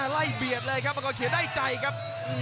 เบียดเลยครับมังกรเขียนได้ใจครับ